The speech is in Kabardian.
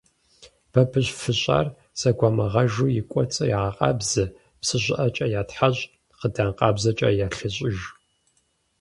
Бабыщ фыщӏар зэгуамыгъэжу и кӏуэцӏыр ягъэкъабзэ, псы щӀыӀэкӀэ ятхьэщӀ, хъыдан къабзэкӀэ ялъэщӀыж.